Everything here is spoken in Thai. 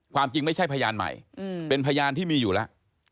ความจริงไม่ใช่พยานใหม่เป็นพยานที่มีอยู่แล้ว